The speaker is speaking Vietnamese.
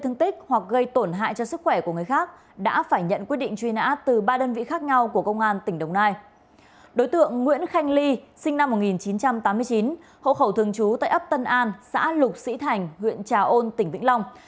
đối tượng nguyễn khanh ly sinh năm một nghìn chín trăm tám mươi chín hộ khẩu thường trú tại ấp tân an xã lục sĩ thành huyện trà ôn tỉnh vĩnh long